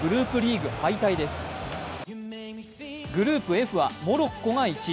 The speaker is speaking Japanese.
グループＦはモロッコが１位。